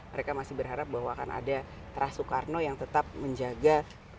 mereka masih berharap bahwa akan ada teras soekarno yang tetap menjaga